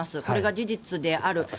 これが事実である。